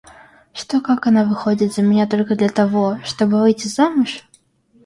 Что как она выходит за меня только для того, чтобы выйти замуж?